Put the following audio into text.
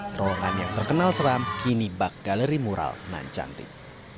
terowongan yang terkenal seram kini bak galeri mural nan cantik